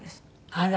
あら。